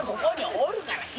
おるから。